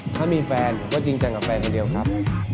ถ้ามีแฟนผมก็จริงจังกับแฟนคนเดียวครับ